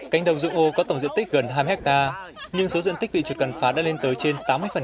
cánh đồng dung ô có tổng diện tích gần hai mươi hectare nhưng số diện tích bị chuột cắn phá đã lên tới trên tám mươi